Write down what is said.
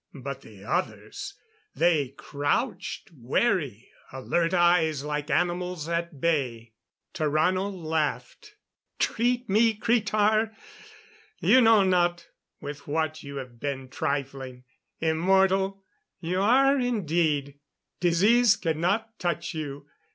But the others! They crouched; wary; alert eyes like animals at bay. Tarrano laughed. "Treat me! Cretar, you know not with what you have been trifling. Immortal? You are indeed. Disease cannot touch you!